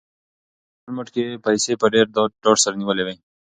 ده په خپل موټ کې پیسې په ډېر ډاډ سره نیولې وې.